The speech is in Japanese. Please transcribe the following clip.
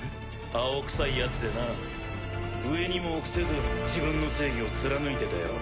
青くさいヤツでな上にも臆せず自分の正義を貫いてたよ。